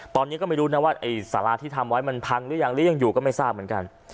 ตอนนี้ก็ไม่รู้นะว่าไอ้สาราที่ทำไว้มันพังหรือยังหรือยังอยู่ก็ไม่ทราบเหมือนกัน